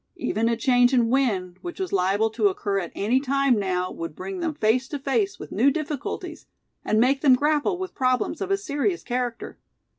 Even a change in wind, which was liable to occur at any time now, would bring them face to face with new difficulties, and make them grapple with problems of a serious character.